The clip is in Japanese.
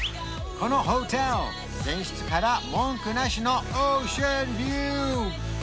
このホテル全室から文句なしのオーシャンビュー！